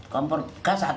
kompor gas ada